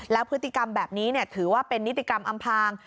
แล้วพฤติกรรมแบบนี้ถือว่าเป็นนิติกรรมอำพาง